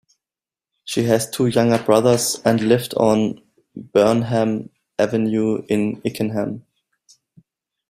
She has two younger brothers and lived on Burnham Avenue in Ickenham.